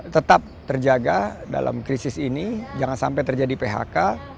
tetap terjaga dalam krisis ini jangan sampai terjadi phk